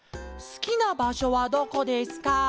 「すきなばしょはどこですか？」。